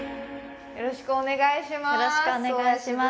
よろしくお願いします